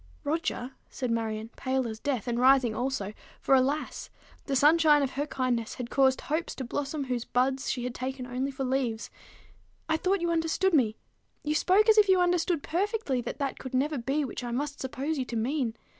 "Roger," said Marion, pale as death, and rising also; for, alas! the sunshine of her kindness had caused hopes to blossom whose buds she had taken only for leaves, "I thought you understood me! You spoke as if you understood perfectly that that could never be which I must suppose you to mean.